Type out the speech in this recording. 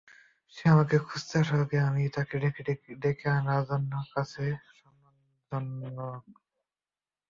সে আমাকে খুঁজতে আসার আগে, আমিই তাকে ডেকে আনা আমার কাছে সম্মানজনল।